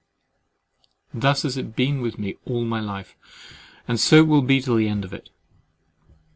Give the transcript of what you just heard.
Thus has it been with me all my life; and so will it be to the end of it!